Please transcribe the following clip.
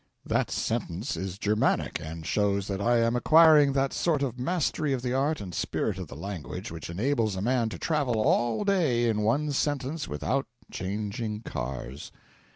That sentence is Germanic, and shows that I am acquiring that sort of mastery of the art and spirit of the language which enables a man to travel all day in one sentence without changing cars.